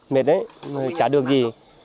mệt đấy chả được gì